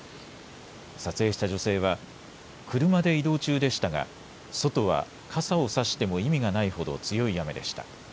撮影した女性は、車で移動中でしたが、外は傘を差しても意味がないほど強い雨でした。